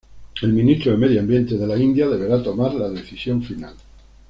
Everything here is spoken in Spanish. El Ministro de Medio Ambiente de la India deberá tomar la decisión final.